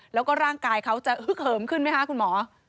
แล้วก็ร่างกายเขาจะฮึกเหิมขึ้นไหมคะคุณหมอ